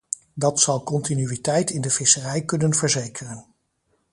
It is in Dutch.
Dat zal continuïteit in de visserij kunnen verzekeren.